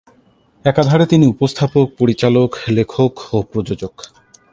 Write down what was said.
একাধারে তিনি উপস্থাপক, পরিচালক, লেখক ও প্রযোজক।